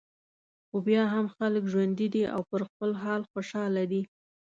خو بیا هم خلک ژوندي دي او پر خپل حال خوشاله دي.